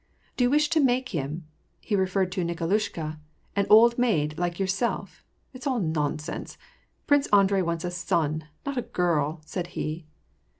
" Do you wish to make him "— he referred to Nikolushka — "an old maid, like yourself? It's all nonsense : Prince Andrei wants a son — not a girl," said he.